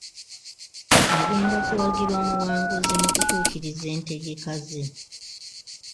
Agenda kuwagira omuwanguzi mu kutuukiriza entegeka ze.